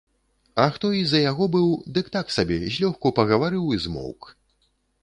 А хто і за яго быў, дык так сабе, злёгку пагаварыў і змоўк.